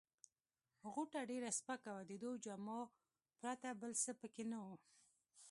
غوټه ډېره سپکه وه، د دوو جامو پرته بل څه پکښې نه وه.